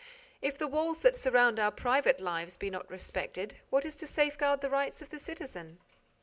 If the walls that surround our private lives be not respected, what is to safeguard the rights of the citizen?